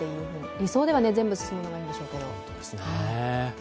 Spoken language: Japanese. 理想では全部進むことでしょうけど。